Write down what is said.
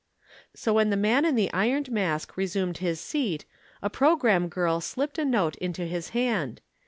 So when the Man in the Ironed Mask resumed his seat, a programme girl slipped a note into his hand.